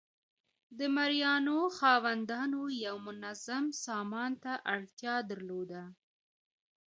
د مرئیانو خاوندانو یو منظم سازمان ته اړتیا درلوده.